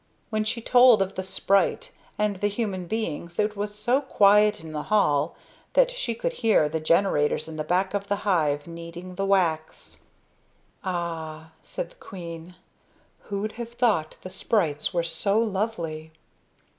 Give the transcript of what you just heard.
When she told of the sprite and the human beings, it was so quiet in the hall that you could hear the generators in the back of the hive kneading the wax. "Ah," said the queen, "who'd have thought the sprites were so lovely?"